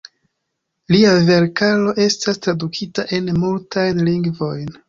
Lia verkaro estas tradukita en multajn lingvojn.